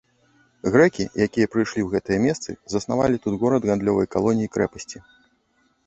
Грэкі, якія прыйшлі ў гэтыя месцы, заснавалі тут горад гандлёвай калоніі-крэпасці.